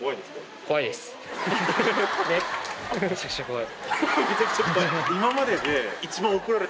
ハハっめちゃくちゃ怖い。